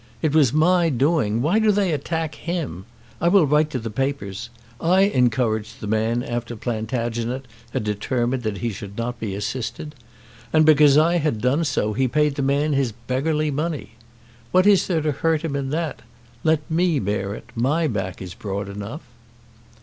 It was my doing. Why do they attack him? I will write to the papers. I encouraged the man after Plantagenet had determined that he should not be assisted, and, because I had done so, he paid the man his beggarly money. What is there to hurt him in that? Let me bear it. My back is broad enough."